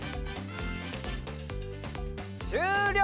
しゅうりょう！